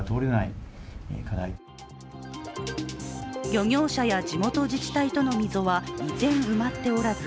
漁業者や地元自治体との溝は依然埋まっておらず、